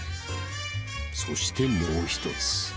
［そしてもう１つ］